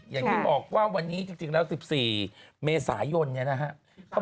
อย่างที่บอกว่าวันนี้จริงแล้ว๑๔เมษายนเนี่ยนะครับ